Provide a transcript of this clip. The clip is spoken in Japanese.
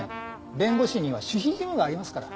弁護士には守秘義務がありますから。